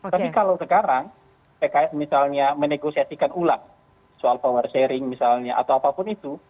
tapi kalau sekarang pks misalnya menegosiasikan ulang soal power sharing misalnya atau apapun itu